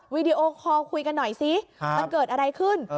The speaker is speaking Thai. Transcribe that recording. วิดีโอคอลคุยกันหน่อยสิมันเกิดอะไรขึ้น